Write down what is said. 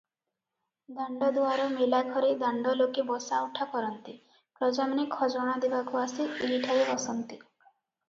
ଦାଣ୍ଡଦୁଆର ମେଲାଘରେ ଦାଣ୍ଡଲୋକେ ବସା ଉଠା କରନ୍ତି, ପ୍ରଜାମାନେ ଖଜଣା ଦେବାକୁ ଆସି ଏହିଠାରେ ବସନ୍ତି ।